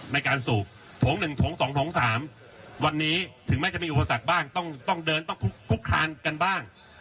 ในการสูบโถง๑ถง๒โถง๓วันนี้ถึงแม้จะมีอุปสรรคบ้างต้องเดินต้องคุกคานกันบ้าง